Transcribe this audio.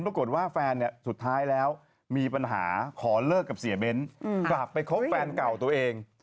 ปรากฏว่าแฟนเนี่ยสุดท้ายแล้วมีปัญหาขอเลิกกับเสียเบ้นกลับไปคบแฟนเก่าตัวเอง